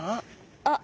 あっ！